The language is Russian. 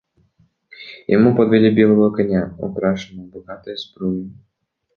Ему подвели белого коня, украшенного богатой сбруей.